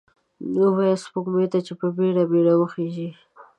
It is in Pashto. ووایه سپوږمۍ ته، چې په بیړه، بیړه وخیژئ